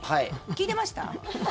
聞いてました？